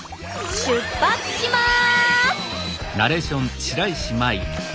出発します！